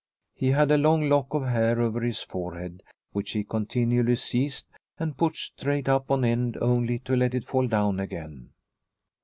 He had a long lock of hair over his forehead which he continually seized and pushed straight up on end only to let it fall down again.